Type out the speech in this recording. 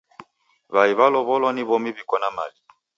W'ai w'alow'olwa ni w'omi w'iko na mali.